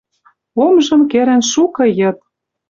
Омжым кӹрӹн шукы йыд.